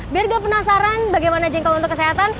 biar gak penasaran bagaimana jengkol untuk kesehatan